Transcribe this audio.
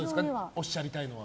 おっしゃりたいのは。